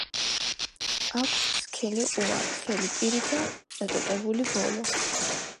აქვს სქელი ყუა, თხელი პირი და წაწვეტებული ბოლო.